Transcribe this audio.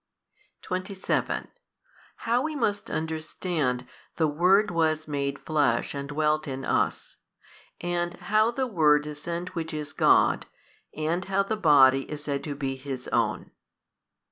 27. How we must understand The Word was made Flesh and dwelt in us, and how the Word is sent which is God, and how the Body is said to be His own.